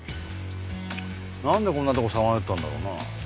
なんでこんなとこさまよったんだろうな？